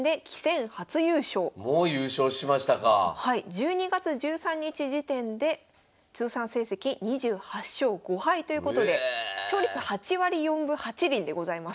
１２月１３日時点で通算成績２８勝５敗ということで勝率８割４分８厘でございます。